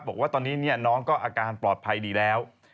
บอกว่าตอนนี้น้องก็อาการปลอดภัยดีแล้ว